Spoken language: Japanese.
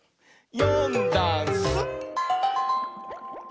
「よんだんす」